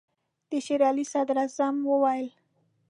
د شېر علي صدراعظم وویل.